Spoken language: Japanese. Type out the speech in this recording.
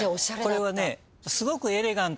これはね。